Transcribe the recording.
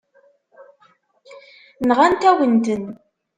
Nɣant-awen-ten.